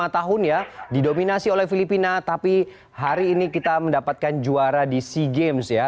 lima tahun ya didominasi oleh filipina tapi hari ini kita mendapatkan juara di sea games ya